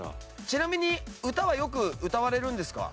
ちなみに歌はよく歌われるんですか？